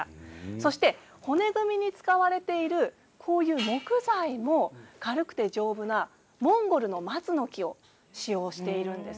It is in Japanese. そして、骨組みに使われているこういう木材も軽くて丈夫なモンゴルの松の木を使用しているんです。